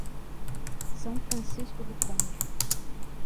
São Francisco do Conde